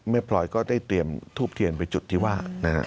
ไม่พลอยก็ได้เตรียมทูปเทียนไปจุดที่ว่า